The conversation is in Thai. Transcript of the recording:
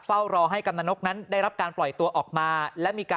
เฝ้ารอให้กำนันนกนั้นได้รับการปล่อยตัวออกมาและมีการ